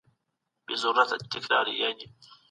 لور رحمت ده، لور رڼا ده، لور د کور د زړه قرار